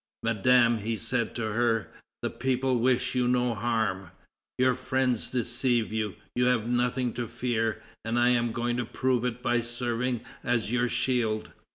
"Madame," he said to her, "the people wish you no harm. Your friends deceive you; you have nothing to fear, and I am going to prove it by serving as your shield."